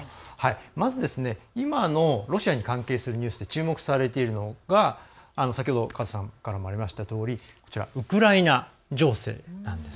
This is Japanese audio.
まず、今のロシアに関係するニュース注目されているのが先ほど川田さんからもありましたとおりこちら、ウクライナ情勢なんです。